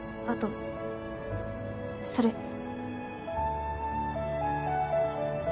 あとそれ